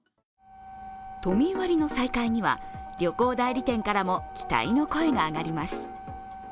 都民割の再開には旅行代理店からも期待の声が上がります。